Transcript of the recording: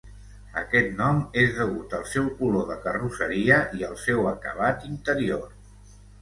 Aquest nom és degut al seu color de carrosseria i al seu acabat interior.